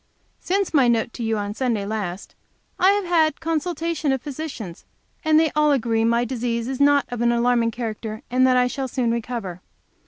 Since my note to you on Sunday last, I have had a consultation of physicians, and they all agree that my disease is not of an alarming character, and that I shall soon recover.